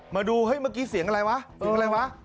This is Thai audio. มาดูเมื่อกี้เสียงอะไรวะมีอะไรวะ